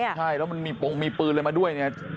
ใช่แล้วมันมีปืนเลยมาด้วย